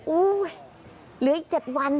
เหลืออีก๗วัน